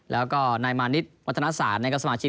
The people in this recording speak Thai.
แล้วก็นายมาณิชย์วัฒนศาสตร์ในกรรมสมาชิก